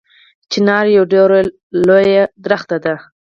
چنار یوه ډیره لویه ونه ده